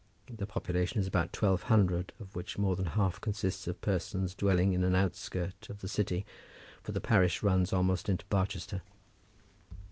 The population is about twelve hundred, of which more than a half consists of persons dwelling in an outskirt of the city, for the parish runs almost into Barchester.